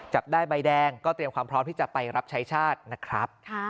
จับได้ใบแดงก็เตรียมความพร้อมที่จะไปรับใช้ชาตินะครับ